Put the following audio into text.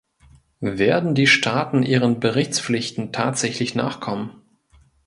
Werden die Staaten ihren Berichtspflichten tatsächlich nachkommen?